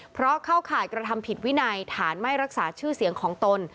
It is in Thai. เพราะเข้าข่ายกระทำผิดวินัยฐานไม่รักษาชื่อเสียงของตน